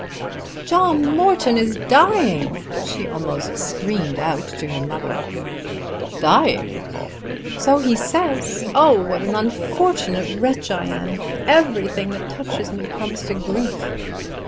"John Morton is dying," she almost screamed out to her mother. "Dying!" "So he says. Oh, what an unfortunate wretch I am! Everything that touches me comes to grief."